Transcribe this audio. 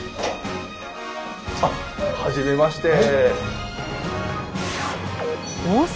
あっはじめまして。